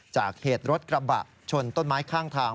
จากเหตุรถกระบะชนต้นไม้ข้างทาง